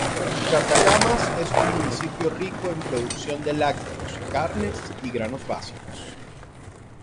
Catacamas es un municipio rico en producción de lácteos, carnes y granos básicos.